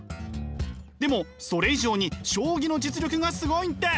でもそれ以上に将棋の実力がすごいんです！